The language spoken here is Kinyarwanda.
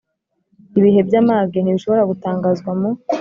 Ibihe by’amage ntibishobora gutangazwa mu